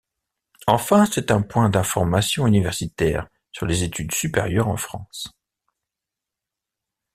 Enfin, c'est un point d’information universitaire sur les études supérieures en France.